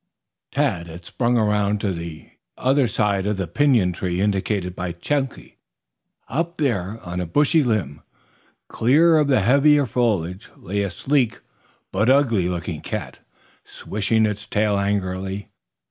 Tad had sprung around to the side of the pinyon tree indicated by Chunky. Up there on a bushy limb, clear of the heavier foliage, lay a sleek, but ugly looking cat, swishing its tail angrily.